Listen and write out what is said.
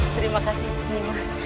terima kasih nyi mas